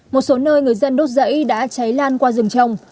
một số nơi người dân đốt rẫy đã cháy lan qua rừng trồng